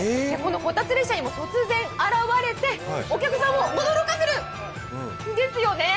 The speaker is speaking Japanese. こたつ列車にも突然現れてお客さんを驚かせるんですよね。